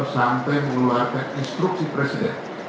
sampai mengeluarkan instruksi presiden